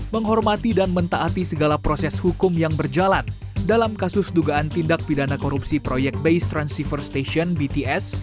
menghormati dan mentaati segala proses hukum yang berjalan dalam kasus dugaan tindak pidana korupsi proyek base transceiver station bts